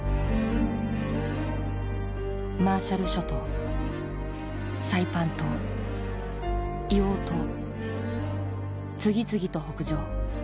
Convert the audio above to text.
マーシャル諸島サイパン島硫黄島次々と北上。